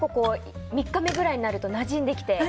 ３日目くらいになるとなじんできて。